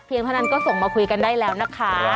เท่านั้นก็ส่งมาคุยกันได้แล้วนะคะ